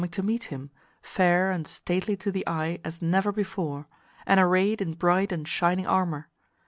1 4 to meet him, fair and stately to the eye as never before, and arrayed in bright and shining armour.